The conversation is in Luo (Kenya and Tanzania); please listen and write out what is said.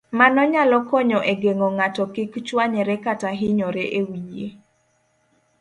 Mano nyalo konyo e geng'o ng'ato kik chwanyre kata hinyore e wiye.